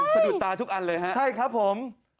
สะดุดตาทุกอันเลยฮะใช่ครับผม